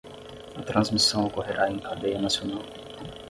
A transmissão ocorrerá em cadeia nacional